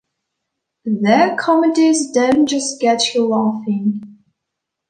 Their comedies don't just get you laughing.